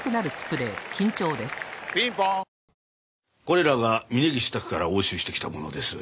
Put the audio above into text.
これらが峰岸宅から押収してきたものです。